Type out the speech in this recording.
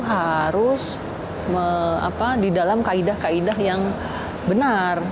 harus di dalam kaidah kaidah yang benar